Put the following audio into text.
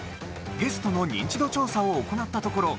ゲストのニンチド調査を行ったところ